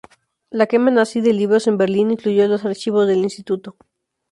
La quema nazi de libros en Berlín incluyó los archivos del Instituto.